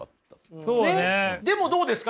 でもどうですか？